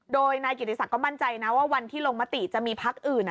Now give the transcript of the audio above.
โดยนายกิติศักดิ์ก็มั่นใจนะว่าวันที่ลงมติจะมีพักอื่น